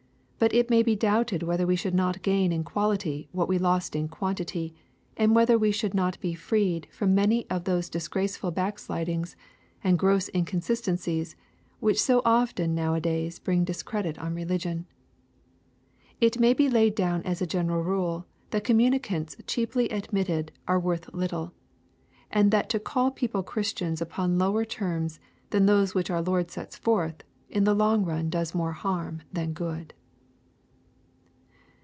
But it may be doubted whether we should not gain in quality what we lost in quantity, and whether we should not be freed from many of those disgraceful backslidings, and gross inconsistencies, which so often 'now a days bring discredit on religion. .It may be laid down as a general rule that communicants cheaply admitted are worth little, and that to call people Christiana upon lower terms than those which our Lord sets forfli, in the long run does more harm than good.